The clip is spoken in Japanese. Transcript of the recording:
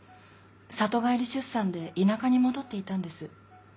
里帰り出産で田舎に戻っていたんです。